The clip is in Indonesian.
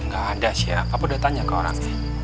gak ada siah apa udah tanya ke orang